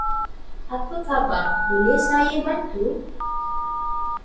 Apa khabar boleh saya bantu?